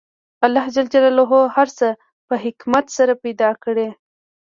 الله ج هر څه په حکمت سره پیدا کړي